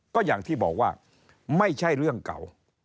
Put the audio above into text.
ก็อย่างที่บอกว่าไม่ใช่เรื่องเก่า